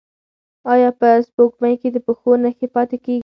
ایا په سپوږمۍ کې د پښو نښې پاتې کیږي؟